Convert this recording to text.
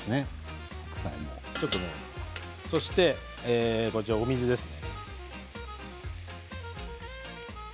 そしてお水ですね。